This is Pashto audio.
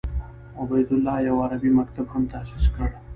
عبیدالله یو عربي مکتب هم تاسیس کړ.